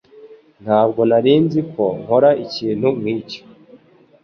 Ntabwo narinzi ko nkora ikintu nkicyo.